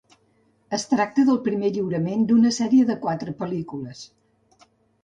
Es tracta del primer lliurament d'una sèrie de quatre pel·lícules.